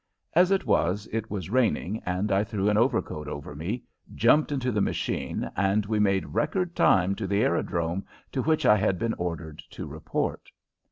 As it was, it was raining and I threw an overcoat over me, jumped into the machine, and we made record time to the aerodrome to which I had been ordered to report.